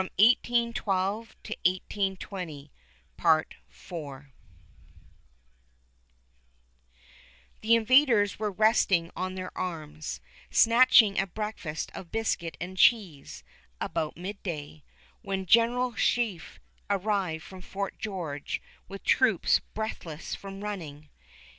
[Illustration: BROCK MONUMENT, QUEENSTON HEIGHTS] The invaders were resting on their arms, snatching a breakfast of biscuit and cheese about midday, when General Sheaffe arrived from Fort George with troops breathless from running.